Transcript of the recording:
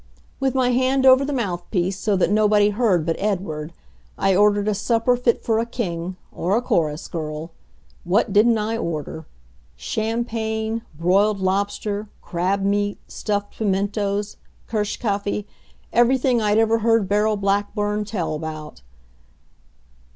With my hand over the mouthpiece, so that nobody heard but Edward, I ordered a supper fit for a king or a chorus girl! What didn't I order! Champagne, broiled lobster, crab meat, stuffed pimentoes, kirschkaffee everything I'd ever heard Beryl Blackburn tell about.